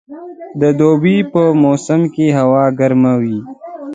د دوبي په موسم کښي هوا ګرمه وي.